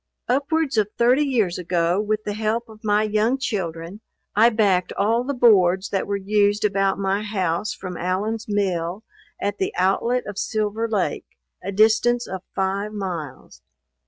Upwards of thirty years ago, with the help of my young children, I backed all the boards that were used about my house from Allen's mill at the outlet of Silver Lake, a distance of five miles.